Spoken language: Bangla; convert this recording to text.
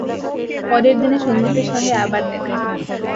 পরের দিনে সন্দীপের সঙ্গে আবার দেখা।